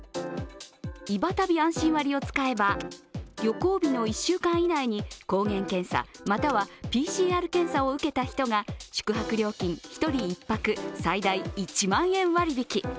いば旅あんしん割を使えば旅行日の１週間以内に抗原検査またはＰＣＲ検査を受けた人が宿泊料金１人１泊最大１万円割引。